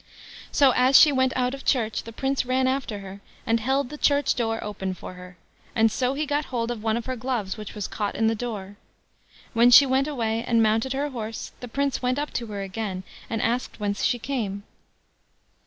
So, as she went out of church, the Prince ran after her, and held the church door open for her; and so he got hold of one of her gloves, which was caught in the door. When she went away and mounted her horse, the Prince went up to her again, and asked whence she came.